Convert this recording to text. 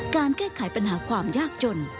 การแก้ไขปัญหาความยากจน